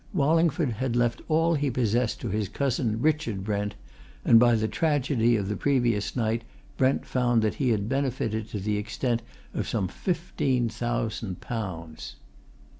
Wallingford had left all he possessed to his cousin, Richard Brent, and by the tragedy of the previous night Brent found that he had benefited to the extent of some fifteen thousand pounds.